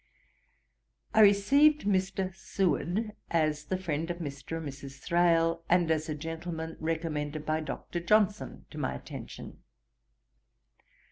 'I received Mr. Seward as the friend of Mr. and Mrs. Thrale, and as a gentleman recommended by Dr. Johnson to my attention.